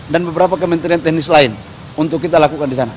dan beberapa kementerian teknis lain untuk kita lakukan di sana